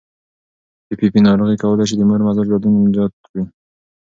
پي پي پي ناروغي کولی شي د مور مزاج بدلونونه زیات کړي.